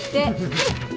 はい！